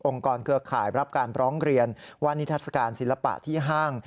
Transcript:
เครือข่ายรับการร้องเรียนว่านิทัศกาลศิลปะที่ห้าง